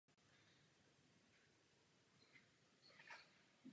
Svátek má Lumír.